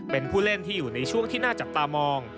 เป็นผู้เล่นที่อยู่ในช่วงที่น่าจับตามอง